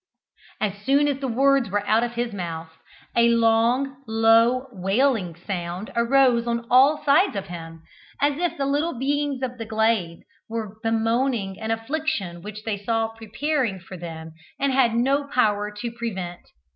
As soon as the words were out of his mouth, a long, low wailing sound arose on all sides of him, as if the little beings of the glade were bemoaning an affliction which they saw preparing for them and had no power to prevent.